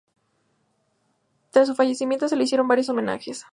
Tras su fallecimiento, se le hicieron varios homenajes.